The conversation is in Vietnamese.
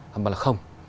họ bảo là không